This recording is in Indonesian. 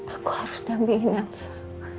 aku harus dambihin elsa